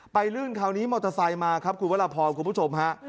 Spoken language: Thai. ลื่นคราวนี้มอเตอร์ไซค์มาครับคุณวรพรคุณผู้ชมฮะ